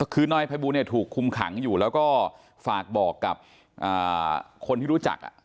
คือนายภัยบูลถูกคุมขังอยู่แล้วก็ฝากบอกกับคนที่รู้จัก